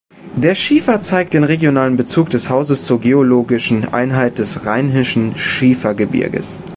Der Schiefer zeigt den regionalen Bezug des Hauses zur geologischen Einheit des Rheinischen Schiefergebirges.